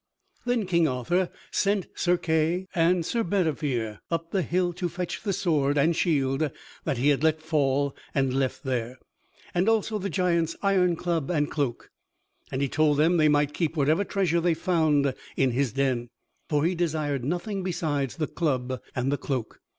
Then King Arthur sent Sir Kay and Sir Bedivere up the hill to fetch the sword and shield that he had let fall and left there, and also the giant's iron club and cloak, and he told them they might keep whatever treasure they found in his den, for he desired nothing besides the club and the cloak.